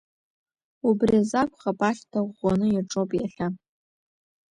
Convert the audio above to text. Убри азы акәхап, ахьҭа ӷәӷәаны иаҿоуп иахьа.